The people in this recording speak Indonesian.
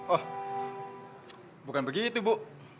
oh bukan begitu bu